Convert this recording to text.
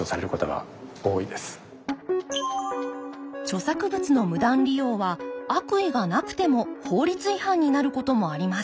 著作物の無断利用は悪意がなくても法律違反になることもあります。